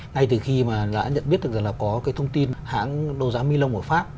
ngay từ khi mà đã nhận biết thực ra là có cái thông tin hãng đô giá milong ở pháp